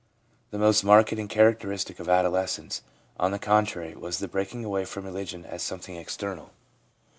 The most marked characteristic of adolescence, on the contrary, was the breaking away from religion as something external.